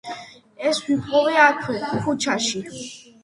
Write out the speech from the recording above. ეს ვიპოვე აქვე, ქუჩაში.